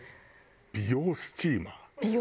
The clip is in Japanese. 美容スチーマー。